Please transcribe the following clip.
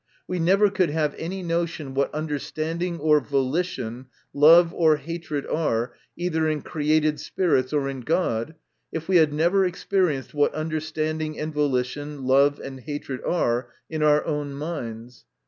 We ne ver could hfLve any notion what understanding or volition, love or hatred are, either in created spirits or in God, if we had never experienced what understanding and volition, love and hatred, are in our own minds.